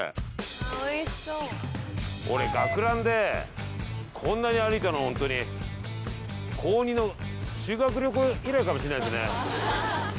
俺学ランでこんなに歩いたのほんとに高２の修学旅行以来かもしんないっすね。